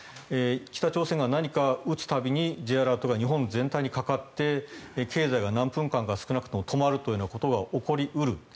北朝鮮が何か撃つ度にＪアラートが日本全体にかかって経済が、何分かか少なくとも止まるということが起こり得る。